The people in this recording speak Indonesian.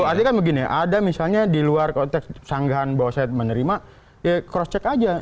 artinya kan begini ada misalnya di luar konteks sanggahan bahwa saya menerima ya cross check aja